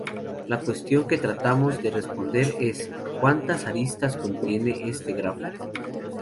La cuestión que tratamos de responder es: ¿cuántas aristas contiene este grafo?